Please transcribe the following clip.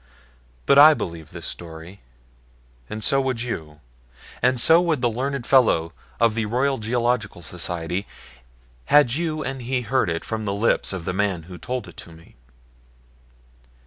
But I believe the story, and so would you, and so would the learned Fellow of the Royal Geological Society, had you and he heard it from the lips of the man who told it to me.